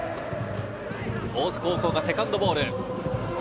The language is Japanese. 大津高校がセカンドボール。